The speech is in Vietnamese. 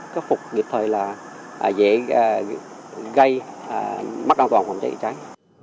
các phục kịp thời là dễ gây mắc an toàn phòng cháy cháy